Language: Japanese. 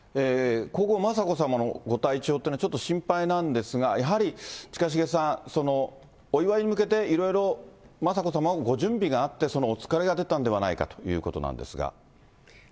皇后雅子さまのご体調というのはちょっと心配なんですが、やはり近重さん、お祝いに向けて、いろいろ雅子さまもご準備があって、そのお疲れが出たんではないかということなんですが。